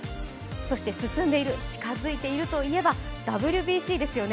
そして進んでいる、近づいているといえばＷＢＣですよね。